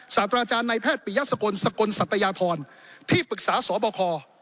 ศาสตราจารย์ในแพทย์ปิยสกลสกลสัตยาธรที่ปรึกษาสบค